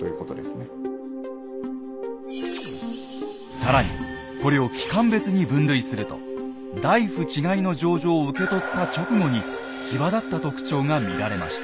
更にこれを期間別に分類すると「内府ちかひの条々」を受け取った直後に際立った特徴が見られました。